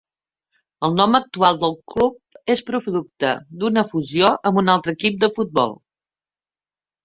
El nom actual del club és producte d'una fusió amb un altre equip de futbol.